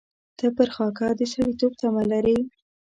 ته پر خاکه د سړېتوب تمه لرې.